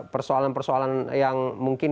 persoalan persoalan yang mungkin